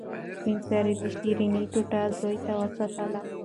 سپین سرې د شیرني ټوټه زوی ته وساتله.